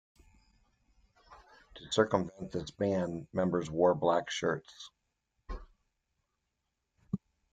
To circumvent this ban, members wore black shirts.